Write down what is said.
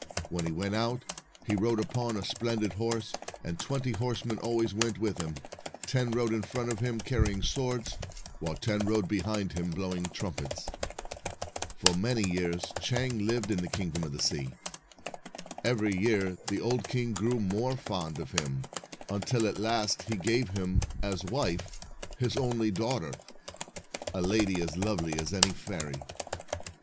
When he went out, he rode upon a splendid horse, and twenty horsemen always went with him. Ten rode in front of him, carrying swords, while ten rode behind him, blowing trumpets. For many years Chang lived in the Kingdom of the Sea. Every year the old king grew more fond of him, until at last he gave him, as wife, his only daughter, a lady as lovely as any fairy.